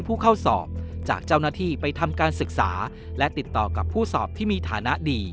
พูเดอร์เข้าสอบจากเจ้าหน้าที่ไปทำการศึกษาและติดต่อกับผู้สอบที่มีฐานครขาดยิ่งท่า